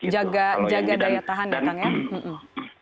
jaga daya tahan ya kang ya